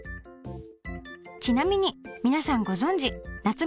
ちなみに皆さんご存じ夏目